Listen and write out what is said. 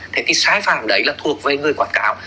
thế cái sai phạm đấy là thuộc về người quảng cáo